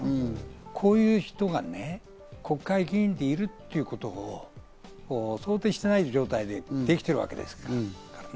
こういう人がね、国会議員でいるということ、これを想定していない状態で、できているわけですからね。